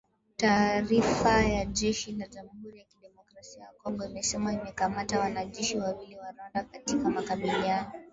Taarifa ya jeshi la Jamhuri ya Kidemokrasia ya Kongo, imesema imekamata wanajeshi wawili wa Rwanda katika makabiliano